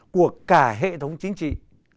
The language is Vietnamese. của cả hệ thống chính trị